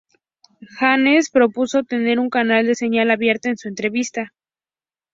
Jones propuso tener un canal de señal abierta en su entrevista.